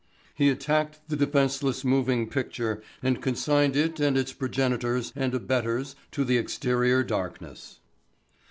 He attacked the defenseless moving picture and consigned it and its progenitors and abettors to the exterior darkness.